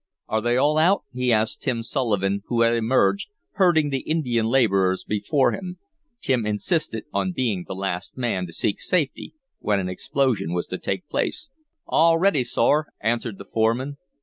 "Are they all out?" he asked Tim Sullivan, who had emerged, herding the Indian laborers before him. Tim insisted on being the last man to seek safety when an explosion was to take place. "All ready, sor," answered the foreman.